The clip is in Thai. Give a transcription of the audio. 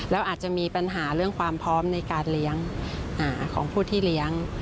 แล้วอาจจะมีปัญหาเรื่องความพร้อมในการเลี้ยงของผู้ที่เลี้ยง